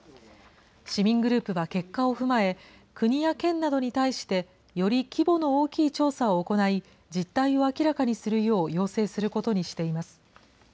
市民グループは結果を踏まえ、国や県などに対してより規模の大きい調査を行い、実態を明らかにするよう要請することにしています。